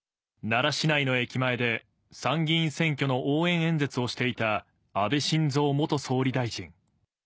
奈良市内の駅前で、参議院選挙の応援演説をしていた安倍晋三元総理大臣。